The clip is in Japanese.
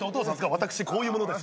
私こういう者です。